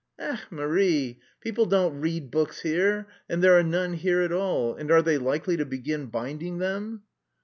"Ech, Marie, people don't read books here, and there are none here at all. And are they likely to begin binding them!"